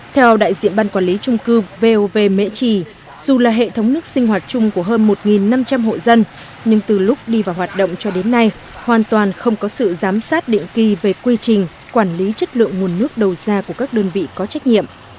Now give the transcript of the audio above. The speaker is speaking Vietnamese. theo đại diện ban quản lý trung cư vov mễ trì dù là hệ thống nước sinh hoạt chung của hơn một năm trăm linh hộ dân nhưng từ lúc đi vào hoạt động cho đến nay hoàn toàn không có sự giám sát định kỳ về quy trình quản lý chất lượng nguồn nước đầu ra của các đơn vị có trách nhiệm